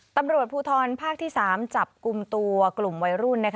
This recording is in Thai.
ตำรวจภูทรภาคที่๓จับกลุ่มตัวกลุ่มวัยรุ่น